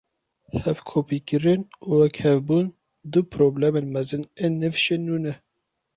Hevkopîkirin û wekhevbûn du problemên mezin ên nivşên nû ne.